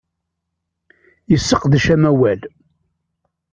Yesseqdec amawal.